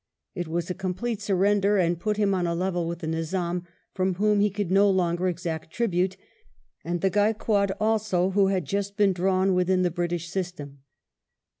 It was a complete surrender, and put him on a level with the Nizam, from whom he could no longer exact tribute, and the Gaikwar also, who had just been drawn within the British system.